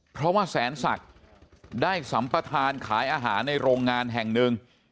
เพราะว่าแสนศักดิ์ได้สัมปทานขายอาหารในโรงงานแห่งหนึ่ง